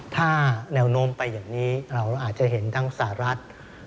ถ้าแนวโน้มไปอย่างนี้เราอาจจะเห็นทั้งสหรัฐ